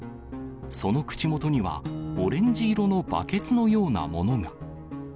その口元には、オレンジ色のバケツのようなものが。